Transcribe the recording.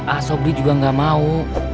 ah sobri juga gak mau